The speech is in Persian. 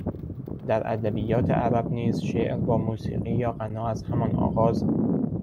در ادبیات عرب نیز شعر با موسیقی یا غنا از همان آغاز